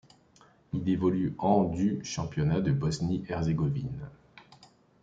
Il évolue en du championnat de Bosnie-Herzégovine.